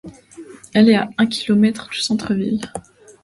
Elle est à un kilomètre du centre ville.